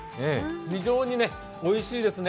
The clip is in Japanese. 非常においしいですね